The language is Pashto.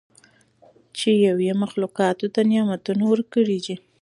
چې یو ئي مخلوقاتو ته نعمتونه ورکړي دي